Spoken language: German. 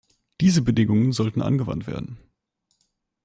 Diese Bedingungen sollten angewandt werden.